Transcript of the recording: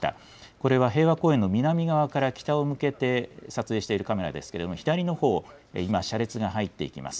これは平和公園の南側から北を向けて撮影しているカメラですけれども、左のほう、今、車列が入っていきます。